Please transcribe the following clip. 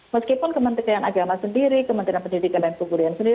meskipun kementerian agama sendiri kementerian pendidikan dan kebudayaan sendiri